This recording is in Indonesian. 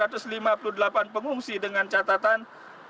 rp tiga ratus lima puluh delapan pengungsi dengan catatan